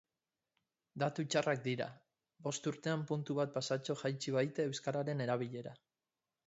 Datu txarrak dira, bost urtean puntu bat pasatxo jaitsi baita euskararen erabilera.